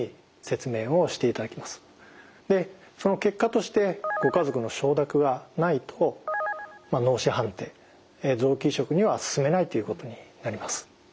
でその結果としてご家族の承諾がないと脳死判定臓器移植には進めないということになります。